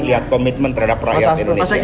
lihat komitmen terhadap rakyat indonesia